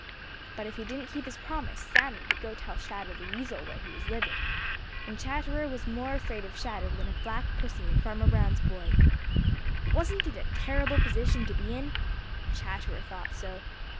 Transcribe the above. But if he didn't keep his promise, Sammy would go tell Shadow the Weasel where he was living, and Chatterer was more afraid of Shadow than of Black Pussy and Farmer Brown's boy. Wasn't it a terrible position to be in? Chatterer thought so.